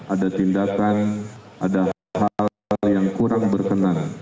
ada tindakan ada hal hal yang kurang berkenan